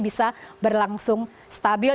bisa berlangsung stabil